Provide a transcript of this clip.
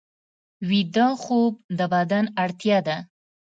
ویده خوب د بدن اړتیا ده